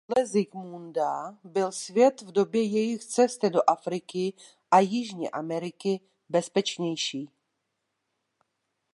Podle Zikmunda byl svět v době jejich cesty do Afriky a Jižní Ameriky bezpečnější.